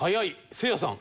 せいやさん。